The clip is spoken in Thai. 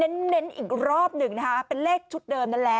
เน้นอีกรอบหนึ่งนะคะเป็นเลขชุดเดิมนั่นแหละ